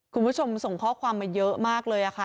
คุณผู้ชมส่งข้อความมาเยอะมากเลยค่ะ